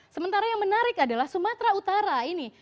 sementara yang menarik adalah sumatera utara ini